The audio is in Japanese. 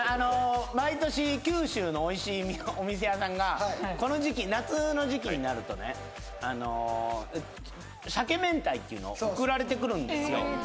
毎年九州のおいしいお店屋さんがこの時期夏の時期になるとねあの鮭明太っていうの送られてくるんですよ